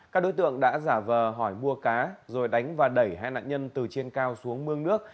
các đối tượng đã giả vờ hỏi mua cá rồi đánh và đẩy hai nạn nhân từ trên cao xuống mương nước